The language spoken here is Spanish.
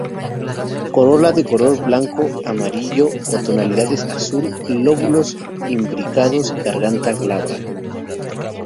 Corola, de color blanco, amarillo o tonalidades de azul; lóbulos imbricados, garganta glabra.